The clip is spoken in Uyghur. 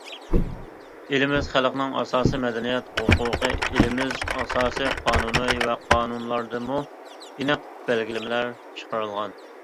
ئېلىمىز خەلقنىڭ ئاساسىي مەدەنىيەت ھوقۇقى ئېلىمىز ئاساسىي قانۇنى ۋە قانۇنلاردىمۇ ئېنىق بەلگىلىمىلەر چىقىرىلغان.